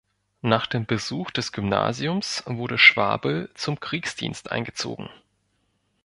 Nach dem Besuch des Gymnasiums wurde Schwabl zum Kriegsdienst eingezogen.